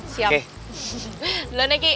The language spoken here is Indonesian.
siap dulu nek ki